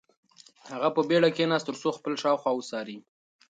هغه په بېړه کښېناست ترڅو خپل شاوخوا وڅاري.